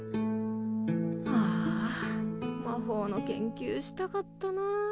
ああ魔法の研究したかったなぁ。